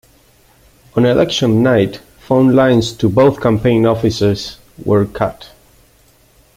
On election night phone lines to both campaign offices were cut.